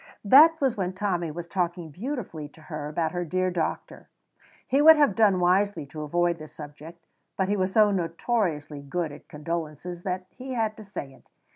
That was when Tommy was talking beautifully to her about her dear doctor. He would have done wisely to avoid this subject; but he was so notoriously good at condolences that he had to say it.